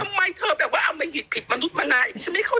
ทำไมเธอแบบว่าเอาในหิตผิดมนุษย์มานานฉันไม่เข้าใจว่า